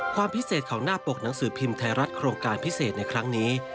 ความพิเศษของหน้าปกหนังสือพิมพ์ไทยรัฐโครงการพิเศษในครั้งนี้